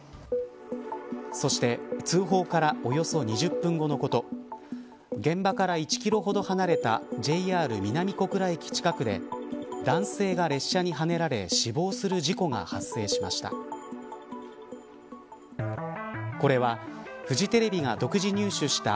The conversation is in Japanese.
そして通報からおよそ２０分後のこと現場から１キロほど離れたＪＲ南小倉駅近くで男性が列車にはねられ死亡する事故が発生しました。